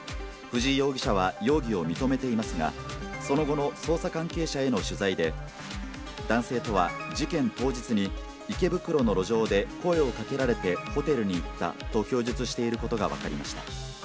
藤井容疑者は容疑を認めていますが、その後の捜査関係者への取材で、男性とは事件当日に、池袋の路上で声をかけられて、ホテルに行ったと供述していることが分かりました。